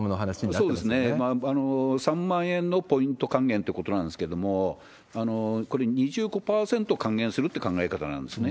そうですね、３万円のポイント還元ってことなんですけれども、これ、２５％還元するって考え方なんですね。